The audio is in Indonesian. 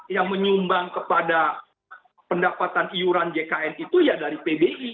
yang menyumbang kepada pendapatan iuran jkn itu ya dari pbi